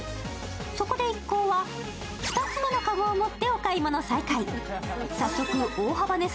そこで一行は２つ目の籠を持ってお買い物再開。